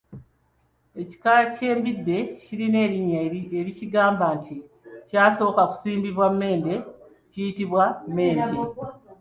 Ekika ky’embidde ekirina erinnya erikigambisa nti kyasooka kusimbibwa Mmende kiyitibwa Mmende